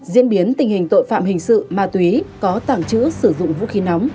diễn biến tình hình tội phạm hình sự ma túy có tàng trữ sử dụng vũ khí nóng